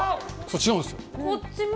違うんですよ。